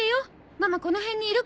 ママこの辺にいるから。